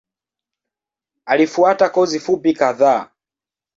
Alifuata kozi fupi kadhaa.